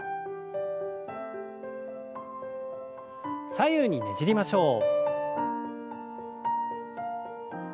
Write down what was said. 左右にねじりましょう。